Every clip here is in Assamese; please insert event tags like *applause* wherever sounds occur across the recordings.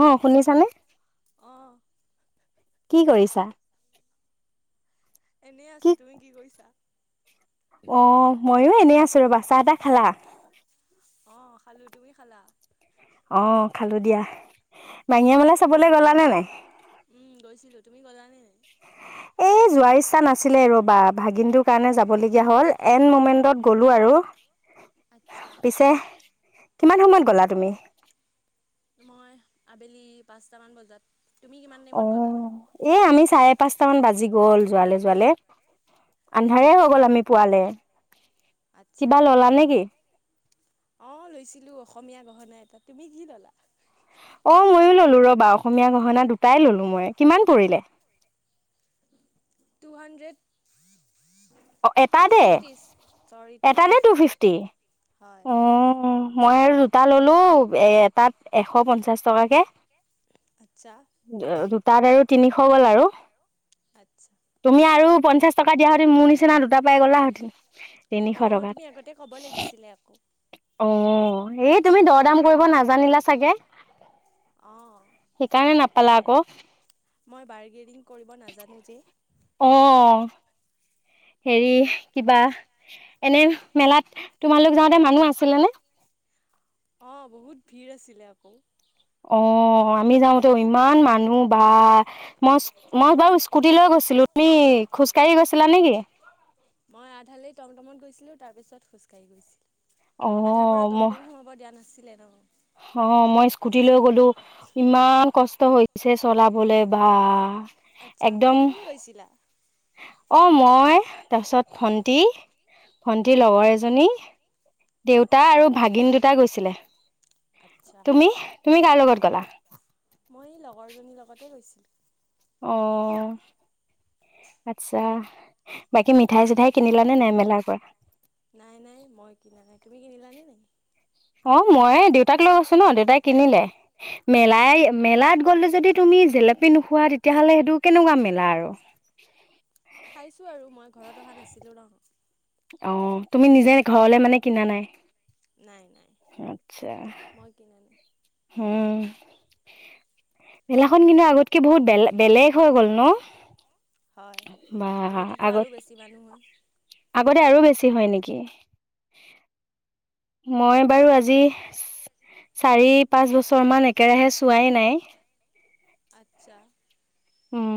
অ', শুনিছানে? অ'। কি কৰিছা? এনেই আছো। তুমি কি কৰিছা? অ ময়ো এনেই আছো ৰবা। চাহ তাহ খালা? অ', খালোঁ, তুমি খালা? অ' খালো দিয়া, বাঙিয়া মেলা চাবলৈ গ'লানে নাই? উম গৈছিলো তুমি গলানে এ যোৱাৰ ইচ্ছা নাছিলে ৰ'বা ভাগিনটোৰ কাৰণে যাবলগীয়া হ'ল এণ্ড মমেন্টত গ'লো আৰু পিছে কিমান সময়ত গলা তুমি মই আবেলি পাঁচটামান বজাত অ এ আমি চাৰে পাঁচটামান বাজি গ'ল যোৱালে যোৱালে আন্ধাৰে হৈ গল আমি পোৱালে আটছা অ লৈছিলো অসমীয়া গহনা এটা তুমি কি ললা অ ময়ো ললো ৰবা অসমীয়া গহনা দুটাই ললো মই কিমান পৰিলে টু হানড্ৰেড অ এটাতে এটাতে টু ফিফটি অ মই আৰু জোতা ললো এ এটাত এশ পঞ্চাশ টকাকে *unintelligible* দুতাৰে তিনিশ গ'ল আৰু। আচ্ছা। দিয়া, আৰু পঞ্চাচ টকা দিয়া হতি মোৰ নিচিনা দুটা পাই গ'লাহেতেন। তিনিশ টকাত। অ'। এই তুমি দৰদাম কৰিব নাজানিলা চাগে। সেইকাৰণে নাপ পালা আকৌ। অ'। হেৰি, কিবা। এনে, মেলাত তোমালোক যাওঁতে মানুহ আছিলে নে? অ', বহুত ভিৰ আছিলে আকৌ। অ‍'। আমি যাওঁতেও ইমান মানুহ বা। মই মই বাৰু স্কুটি লৈ গৈছিলো। তুমি খোজকাঢ়ি গৈছিলা নেকি? মই আধালৈ টমটমত গৈছিলো। তাৰ পিছত খোজকাঢ়ি গৈছিলো। আধাৰ পৰা টমটম সোমাব দিয়া নাছিল। ছিলে নো? অ'। মই স্কুটি লৈ গ'লো। ইমান কষ্ট। টো হৈছে চলাবলে বা আচ্ছা। কোন কোন গৈছিলা? অ'। মই, তাৰপিছত ভন্টি, ভন্টীৰ লগৰ এজনী, দেউতা আৰু ভাগিন দুটা গৈছিলে। তুমি তুমি কাৰ লগত গ'লা? মই লগৰজনীৰ লগতে গৈছিলোঁ। অ', আচ্ছা। বাকী মিঠাই-চিঠাই কিনিলা নে নাই মেলাৰ পৰা? নাই, নাই, মই মই কিনা নাই। তুমি কিনিলানে নেকি? অ', মই দেউতাক লৈ আছো নো? দেউতাই কিনিলে। মেলাই মেলাত গ'লে যদি তুমি জেলেপী নোখোৱা, ‌ তেতিয়াহ'লে সেইটো কেনেকুৱা মেলা আৰু? খাইছো আৰু মই। ঘৰত অহা নাছিলো নো। অ'। তুমি নিজে ঘৰলে মানে কিনা নাই? নাই, নাই। মই কিনা নাই। উম। মেলাখন কিন্তু আগতকে বহুত বেলে বেলেগ হৈ গ'ল নো? হয়। আগতেতো আৰু বেছি মানুহ হয়। আগতে আৰু বেছি হয় নেকি? মই বাৰু আজি চ চাৰি পাঁচ বছৰমান একেৰাহে চোৱাই নাই। আচ্ছা। উম।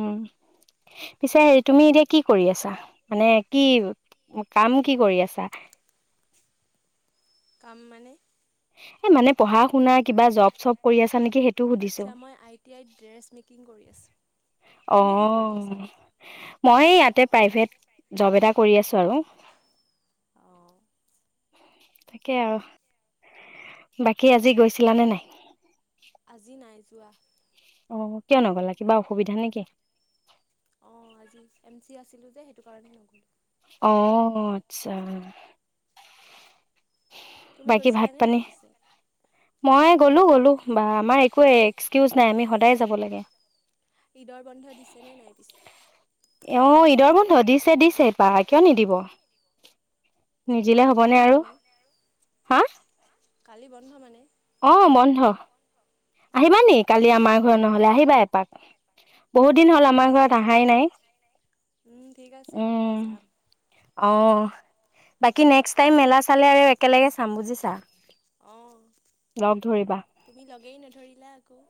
পিছে হেৰি তুমি এতিয়া কি কৰি আছা? মানে কি কাম কি কৰি আছা? কাম মানে? এ মানে পঢ়া শুনা, কিবা জব-চব কৰি আছে আচ্ছা, মই আই টি আইত ড্ৰেছ মেকিং কৰি আছোঁ। তুমি কি কৰি আছা পিছে? মই ইয়াতে প্ৰাইভেট জব এটা কৰি আছোঁ আৰু। তাকেই আৰু। বাকী আজি গৈছিলা নে নাই? আজি নাই যোৱা। অ', কিয় নগ'লা? কিবা অসুবিধা নেকি? অ', আজি এম চি আছিলো যে সেইটো কাৰণে নগ'লো। অ', আচ্ছা। বাকী ভাত-পানী? মই গ'লো গ'লো বা। আমাৰ একোৱেই এক্সকিউজ নাই, আমি সদায় যাব লাগে। ঈদৰ বন্ধ দিছেনে নাই পিছে? অ', ঈদৰ বন্ধ দিছে দিছে বা। কিয় নিদিব। নিদিলে হ'বনে আৰু। হা? কালি বন্ধ মানে? অ', বন্ধ। আহিবা নি কালি আমাৰ ঘৰ নহ'লে? আহিবা এপাক। বহুত দিন হ'ল আমাৰ ঘৰত আহাই নাই। উম। অ'। বাকী নেক্সট টাইম মেলা চালে আৰু একেলগে চাম বুজিছা। অ'। তুমি লগেই নধৰি লা আকৌ।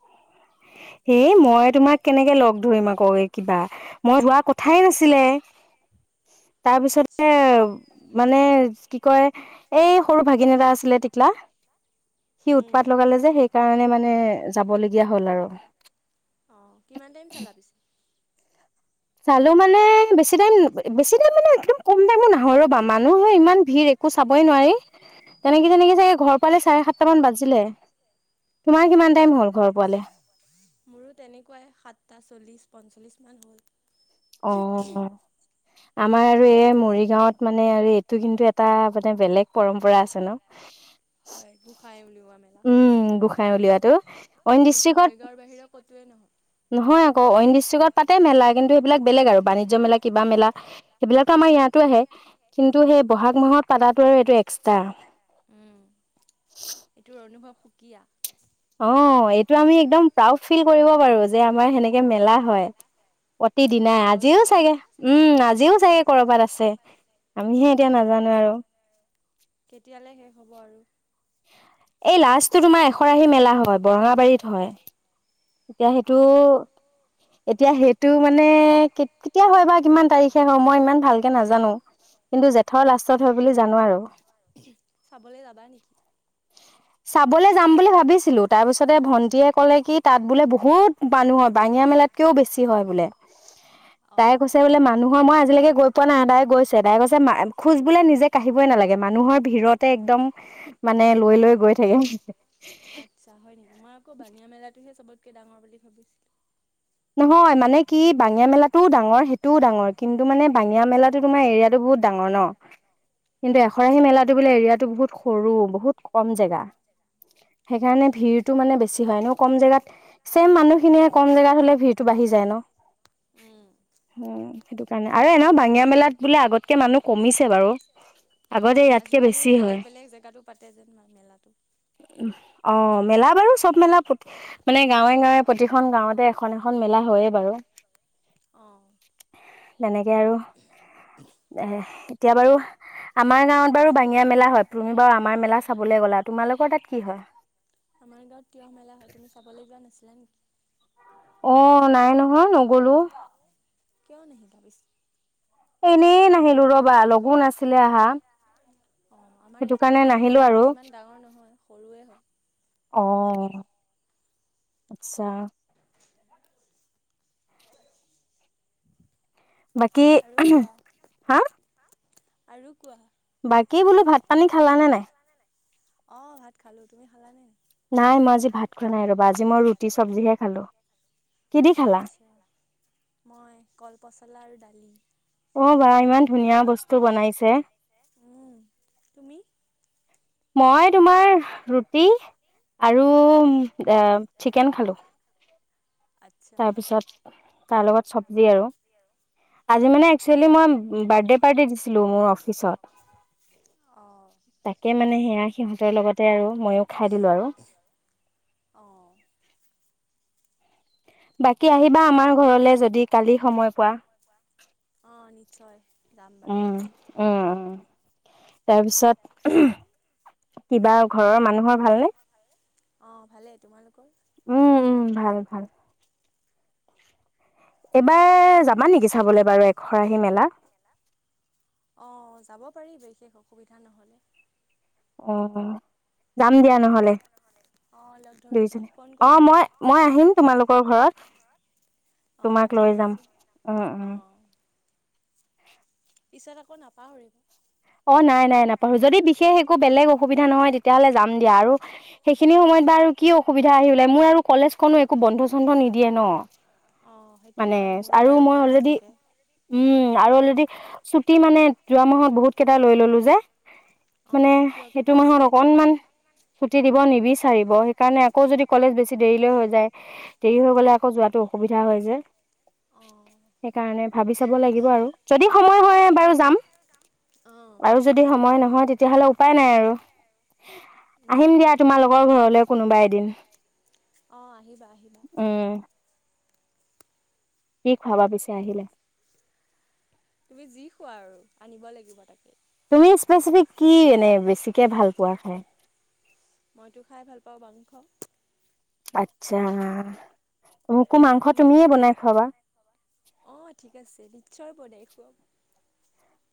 হেই মই তোমাক কেনেকে লগ ধৰিম আকৌ এই কিবা? মই যোৱা কথাই নাছিলে। তাৰপিছতে মা মানে কি কয় এই সৰু ভাগিন এটা আছিলে। টিকলা সি উৎপাত লগালে যে সেই কাৰণে মানে যাবলগীয়া হ'ল আৰু। হয়। অ', কিমান টাইম চালা পিছে? চালো মানে, বেছি টাইম ন, বেচিটাইম মানে একদম কম টাইমো নহয় ৰ'বা। মানুহে ইমান ভিৰ একো চাবই নোৱাৰি। তেনেকে তেনেকে চাগে ঘৰ পালে চাৰে সাতটা মান বাজিলে। অ', মোৰো তেনেকুৱাই, সাতটা চল্লিশ। পঞ্চল্লিছমান হ'ল। অ'। আমাৰ আৰু এই মৰিগাঁওত মানে আৰু এইটো কিন্তু এটা মানে বেলেগ পৰম্পৰা আছে নো? হয়, গোঁসাই উলিওৱা মেলা। চাই উলওৱাটো এইটো মৰিগাঁওৰ বাহিৰে ক'ত একোৱেই নহয়। নহয় আকৌ অইন ডিষ্ট্ৰিক্টত পাতে মেলা। কিন্তু সেইবিলাক বেলেগ আৰু। বাণিজ্য মেলা, কিবা মেলা। সেইবিলাকতো আমাৰ ইয়াতো আহে। কিন্তু সেই বহাগ মাহত পাতাতো আৰু এইটো এক্সট্ৰা। উম, এইটোৰ অনুভৱ সুকীয়া। অ', এইটো আমি একদম প্ৰাউড ফিল কৰিব পাৰোঁ, যে আমাৰ সেনেকে মেলা হয়। প্ৰতি দিনাই, আজিও চাগে, উম, আজিও চাগে ক'ৰবাত আছে। আমিহে এতিয়া নাজানো আৰু? এই লাষ্টটো তোমাৰ, এশৰাহি মেলা হয়, বৰঙাবাৰীত হয়। এতিয়া সেইটো এতিয়া সেইটো মানে, কেতিয়া হয় বা, কিমান তাৰিখে হয়, মই ইমান ভালকে নাজানো। কিন্তু জেঠৰ লাষ্টত হয় চাবলৈ যাবা নেকি? চাবলৈ যাম বুলি ভাবিছিলো। তাৰপিছতে ভণ্টীয়ে ক'লে কি তাত বোলে বহুত মানুহ হয়, বাঙিয়া মেলাতকেও বেছি হয় বোলে। তাই কৈছে বোলে, মানুহৰ, মই আজিলৈকে গৈ পোৱা নাই, তাই গৈছে। তাই কৈছে, খোজ বোলে নিজে কঢ়িবই নালাগে, মানুহৰ ভিৰতে একদম, মানে লৈ, লৈ গৈ থাকে। মই আকৌ বাঙিয়া মেলাটোহে চবত কে ডাঙৰ বুলি ভাবিছিলোঁ। নহয়, মানে কি বাঙিয়া মেলাটোও ডাঙৰ, সেইটোও ডাঙৰ। কিন্তু মানে বাঙিয়া মেলাটো তোমাৰ, এৰিয়াটো বহুত ডাঙৰ ন! কিন্তু এখৰাহী মেলাটো বোলে এৰিয়াটো বহুত সৰু, বহুত কম জেগা সেইকাৰণে ভিৰটো মানে বেছি হয়। এনেও কম জেগাত, চেম মানুহখিনিয়হে কম জেগাত হ'লে ভিৰটো বাঢ়ি যায় ন? হু। সেইটো কাৰণে। আৰু এনেও বাঙিয়া মেলাত বোলে, আগতকে মানুহ কমিছে বাৰু। আজিকালি বেলেগ, বেলেগ জেগাতো পাতে যেন মা-মেলাটো। অ', মেলা বাৰু চব মেলা প্ৰত, মানে গাঁৱে, গাঁৱে, প্ৰতিখন গাঁৱতে এখন, এখন মেলা হয়ে বাৰু। তেনেকে আৰু *unintelligible* দিয়া বাৰু আমাৰ গাঁৱত বাৰু বাঙীয়া মেলা হয়। তুমি বাৰু আমাৰ মেলা চাবলৈ গ'লা, তোমালোকৰ তাত কি হয়? *inaudible* অ', নাই নহয়, ন'গলোঁ। কিয় *unintelligible* এ, এনেই নাহিলো ৰ'বা, লগো নাছিলে আহা। অ', আমাৰ ইয়াতে অৱশ্যে মেলাটো ইমান ডাঙৰ নহয়, সৰুৱে হয়। আচ্ছা। বাকী, হা? আৰু কোৱা? বাকী বোলো ভাত-পানী খালানে নাই? অ', ভাত খালো তুমি খালানে নাই? নাই, মই আজি ভাত খোৱা নাই, ৰ'বা। আজি মই ৰুট ৰুটি চব্জিহে খালোঁ। আচ্ছা মই কলপচলাৰ- দালি। অ, বা ইমান ধুনীয়া বস্তু বনাইছে। মই তোমাৰ ৰুটি আৰু আহ চিকেন খালো। তাৰপিছত তাৰ লগত চব্জি আৰু আজি মানে একচুৱেলি মই বাৰ্থডে পাৰ্টি দিছিলো মোৰ অফিচত তাক- মানে হেয়া সিহঁতৰ লগতে আৰু মইয়ো খাই দিলো আৰু। *inaudible* কি আহিবা আমাৰ ঘৰলে যদি কালি সময় পোৱা? উম্, উম্ তাৰপিছত? কিবা ঘৰৰ মানুহৰ ভাল নে? অ, ভালে তোমালোকৰ? উম্, উম্, ভাল ভাল। এইবাৰ যাবা নেকি চাবলৈ বাৰু এশৰাহি মেলা? বিশেষ অসুবিধা নহ'লে। অ-অ যাম দিয়া নহ'লে দুইজনী অ, মই, মই আহিম তোমালোকৰ ঘৰত তোমাক লৈ যাম উম্-উম্। *inaudible* পিছত আকৌ নাপাহৰিব। অ, নাই নাই নাপাহৰো, যদি বিশেষ একো বেলেগ অসুবিধা নহয় তেতিয়াহলে যাম দিয়া আৰু সেইখিনি সময়ত বাৰু - কি অসুবিধ আহি ওলায় মোৰ আৰু কলেজখনো একো বন্ধ চন্ধ নিদিয়ে ন, মানে আৰু মই অলৰেদি উম, আৰু অলৰেদি ছুটি মানে যোৱা মাহত বহুত কিবা লৈ ললো যে। মানে এইটো মাহত অকনমান ফুটি *unintelligible* দিব নিবিচাৰিব সেইকাৰণে আকৌ যদি কলেজ বেছি দেৰিলৈ হৈ যায় দেৰি হৈ গ'লে আকৌ যোৱাটো অসুবিধা হয় যে। সেইকাৰণে ভাবি চাব লাগিব আৰু, যদি সময় হয় বাৰু যাম। আৰু যদি সময় নহয় তেতিয়াহ'লে উপায় নাই আৰু। আহিম দিয়া তোমালোকৰ ঘৰলৈ কোনোবা এদিন। অ আহিবা আহিবা। কি খোৱাবা পিছে আহিলে? তুমি যি খোৱা আৰু আনিব লাগিব তাকে। তুমি স্পেচিফিক কি এনে বেছিকে ভাল পোৱা খাই? মইতো খাই ভাল পাওঁ মাংস। আচ্ছা। তুমি? অ ঠিক আছে নিশ্চয় বনাই অ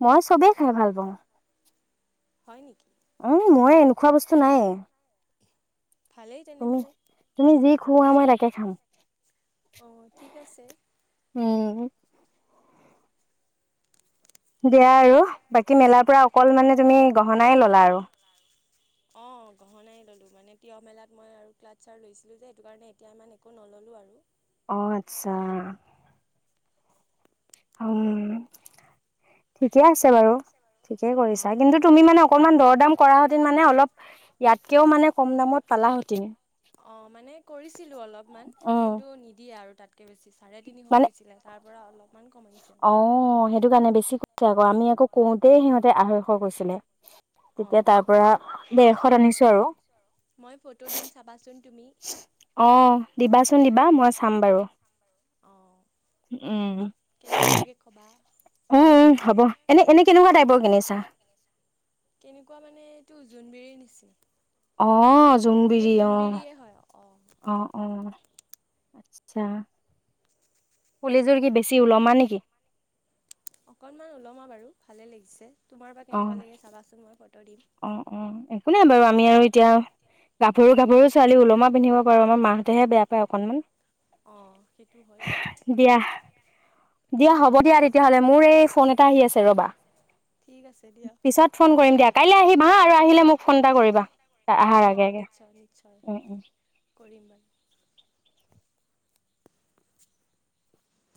মই চবেই খাই ভাল পাওঁ। হয় নেকি? উম মই নোখোৱা বস্তু নাই। ভালেই তেনেহ'লে। খুওৱা মই তাকে খাম। অ ঠিক আছে। উম। দিয়া আৰু বাকী মেলাৰ পৰা অকল মানে তুমি গহনাই ল'লা আৰু? অ গহনাই ল'লো মানে তিয়হ মেলাত মই আৰু ক্লাটচাৰ লৈছিলো যে সেইটো কাৰণে এতিয়া ইমান একো নল'লো আৰু। অ আচ্ছা। উম ঠিকে আছে বাৰু। ঠিকে কৰিছা কিন্তু তুমি মানে অকণমান দাম কৰা হেতেন মানে অলপ ইয়াতকেও মানে কম দামত পালা হেতেন। অ মানে কৰিছিলো অলপমান কিন্তু নিদিয়ে আৰু। ইয়াতকে বেছি চাৰে তিনিশ কৈছিলে তাৰ অলপ অ সেইটো কাৰণে বেছি। আকৌ আমি আকৌ কওঁতেই সিহঁতে আঢ়ৈশ কৈছিলে। তেতিয়া তাৰপৰা দেৰশত আনিছো আৰু। অ, দিবাচোন দিবা, মই চাম বাৰু, উম। উম, উম, হ'ব, এনে, এনে কেনেকুৱা টাইপৰ কিনিছা? কেনেকুৱা মানে এইটো জোনবিৰিৰ নিচি অ', জোনবিৰি অ', অ, অ। আচ্ছা, ফুলিযোৰ কি বেছি ওলমা নেকি? অকনমান ওলমা বাৰু ভালে লাগিছে। তোমাৰ বা কেনেকুৱা লাগে চাবা চোন, মই অ, অ, এক কোনে বাৰু আমি আৰু এতিয়া গাভৰু গাভৰু ছোৱালী ওলমা পিন্ধিব পাৰো, আমাৰ মাহঁতেহে বেয়া পায় অকণমান। দিয়া, দিয়া হ'ব দিয়া তেতিয়াহ'লে অ, মোৰ এই ফোন এটা আহি আছে ৰবা পিছত ফোন কৰিম দিয়া। কাইলৈ আহিবা হা আৰু আহিলে মোক ফোন এটা কৰিবা আহাৰ আগে আগে।